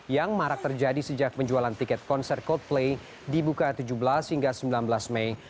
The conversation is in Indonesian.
yang marak terjadi sejak penjualan tiket konser coldplay dibuka tujuh belas hingga sembilan belas mei